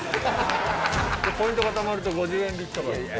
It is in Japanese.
ポイントがたまると５０円引きとかになって。